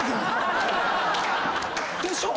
でしょ